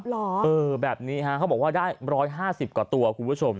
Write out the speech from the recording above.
หรอเออแบบนี้ค่ะเขาบอกว่าได้ร้อยห้าสิบกว่าตัวคุณผู้ชม